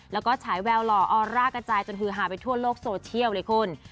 แล้วก็ฉายแววหล่อออร่ากระจายจนฮือหาไปทั่วโลกโซเชียลเลยคุณ